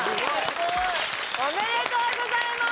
おめでとうございます！